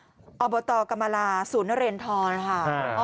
อบตกรรมลาศูนย์นเรนทรค่ะ